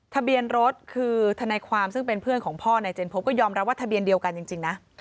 ทะเบียนรถคือทนายความซึ่งเป็นเพื่อนของพ่อนายเจนพบก็ยอมรับว่าทะเบียนเดียวกันจริงนะ